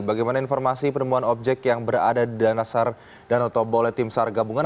bagaimana informasi penemuan objek yang berada di dana sar danau toba oleh tim sar gabungan